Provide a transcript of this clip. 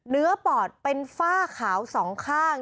เนื้อปอดเป็นฝ้าขาว๒ข้าง